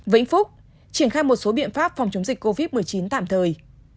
vĩnh phúc triển khai một số biện pháp phòng chống dịch covid một mươi chín tạm thời